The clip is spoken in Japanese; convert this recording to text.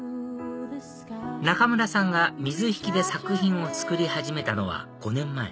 中村さんが水引で作品を作り始めたのは５年前